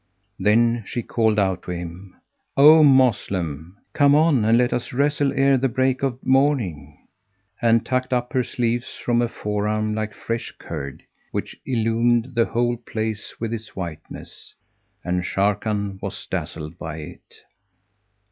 Then she called out to him, "O Moslem, come on and let us wrestle ere the break of morning," and tucked up her sleeves from a forearm like fresh curd, which illumined the whole place with its whiteness; and Sharrkan was dazzled by it.